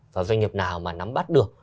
và doanh nghiệp nào mà nắm bắt được